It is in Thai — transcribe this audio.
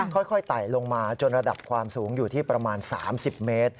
ไต่ลงมาจนระดับความสูงอยู่ที่ประมาณ๓๐เมตร